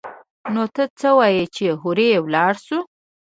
نو ته څه وايي چې هورې ولاړ سو؟